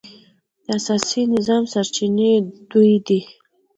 د اسلامي نظام سرچینې دوې دي.